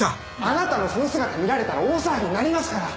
「あなたのその姿見られたら大騒ぎになりますから」